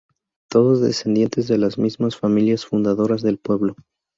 Todos descendientes de las mismas familias fundadoras del pueblo.